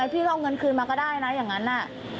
พี่ก็เอาเงินคืนมาก็ได้นะอย่างนั้น